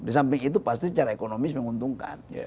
di samping itu pasti secara ekonomis menguntungkan